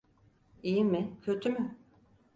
İyi mi, kötü mü?